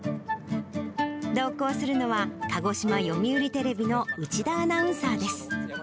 同行するのは、鹿児島読売テレビの内田アナウンサーです。